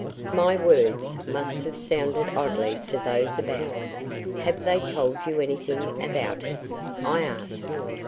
My words must have sounded oddly to those about. "Have they told you anything about it?" I asked.